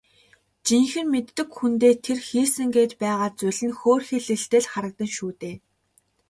Жинхэнэ мэддэг хүндээ тэр хийсэн гээд байгаа зүйл нь хөөрхийлөлтэй л харагдана шүү дээ.